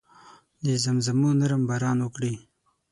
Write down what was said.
د زمزمو نرم باران وکړي